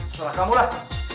salah kamu lah